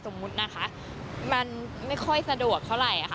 สมมุตินะคะมันไม่ค่อยสะดวกเท่าไหร่ค่ะ